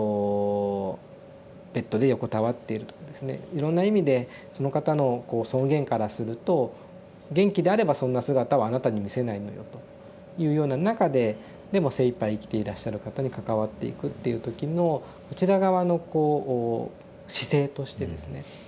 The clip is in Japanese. いろんな意味でその方のこう尊厳からすると「元気であればそんな姿はあなたに見せないのよ」というような中ででも精いっぱい生きていらっしゃる方に関わっていくっていう時のこちら側のこう姿勢としてですね